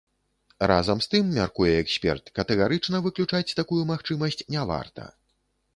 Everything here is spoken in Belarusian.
Разам з тым, мяркуе эксперт, катэгарычна выключаць такую магчымасць не варта.